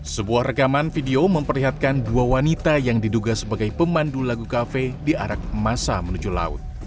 sebuah rekaman video memperlihatkan dua wanita yang diduga sebagai pemandu lagu kafe diarak masa menuju laut